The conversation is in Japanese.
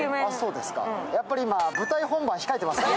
やっぱり今、舞台本番控えてますからね。